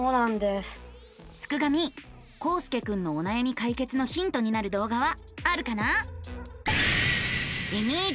すくガミこうすけくんのおなやみ解決のヒントになる動画はあるかな？